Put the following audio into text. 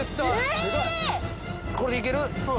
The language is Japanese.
これでいける？